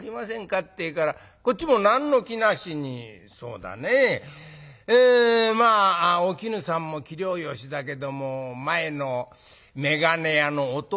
ってえからこっちも何の気なしに『そうだねえまあお絹さんも器量よしだけども前の眼鏡屋の弟